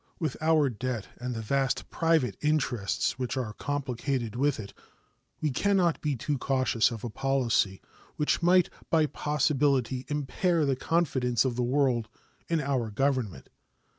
With our debt and the vast private interests which are complicated with it, we can not be too cautious of a policy which might by possibility impair the confidence of the world in our Government.